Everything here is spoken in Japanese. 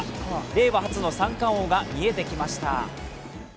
令和初の三冠王が見えてきました。